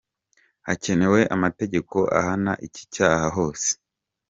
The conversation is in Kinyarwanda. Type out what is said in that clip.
Hakenewe amategeko ahana iki cyaha hose.